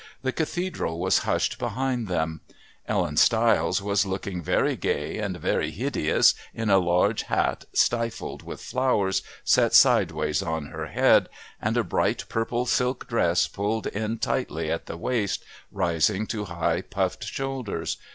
The Cathedral was hushed behind them; Ellen Stiles was looking very gay and very hideous in a large hat stifled with flowers, set sideways on her head, and a bright purple silk dress pulled in tightly at the waist, rising to high puffed shoulders.